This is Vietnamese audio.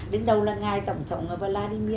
đến đâu là ngài tổng thống vladimir